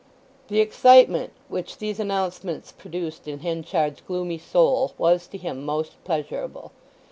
The excitement which these announcements produced in Henchard's gloomy soul was to him most pleasurable.